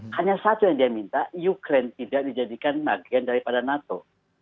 hanya satu yang dia minta ukraine tidak dijadikan bagian daripada nato